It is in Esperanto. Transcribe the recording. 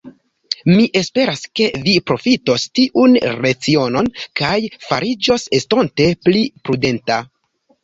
Mi esperas, ke vi profitos tiun lecionon, kaj fariĝos estonte pli prudenta.